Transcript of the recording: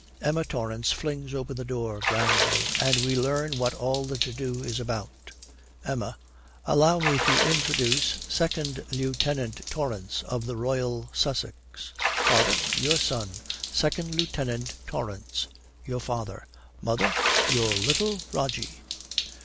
Emma Torrance flings open the door grandly, and we learn what all the to do is about. EMMA. 'Allow me to introduce 2nd Lieutenant Torrance of the Royal Sussex. Father your son; 2nd Lieutenant Torrance your father. Mother your little Rogie.'